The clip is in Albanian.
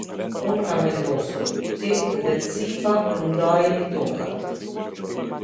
Unë kam vendosur; Ti dhe Tsiba ndajini tokat".